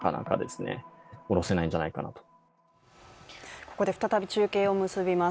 ここで再び中継を結びます。